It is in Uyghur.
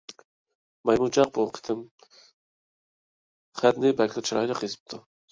مايمۇنچاق بۇ قېتىم خەتنى بەكلا چىرايلىق يېزىپتۇ.